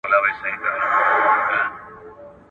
هغه وايي ښه خوب وکړئ.